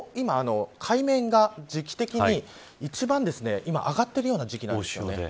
海面が時期的に今上がっている時期なんです。